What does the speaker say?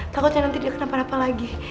takutnya nanti dia kena apa apa lagi